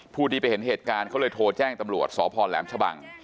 ผู้ที่ไปเห็นเหตุการณ์เขาเลยโทรแจ้งตำรวจสพแหลมชะบัง